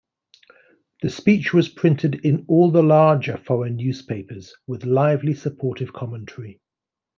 The speech was printed in all the larger foreign newspapers with lively supportive commentary.